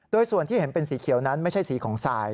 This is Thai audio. โดยส่วนที่เห็นเป็นสีเขียวนั้นไม่ใช่สีของทราย